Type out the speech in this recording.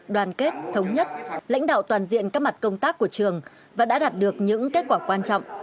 đoàn kết thống nhất lãnh đạo toàn diện các mặt công tác của trường và đã đạt được những kết quả quan trọng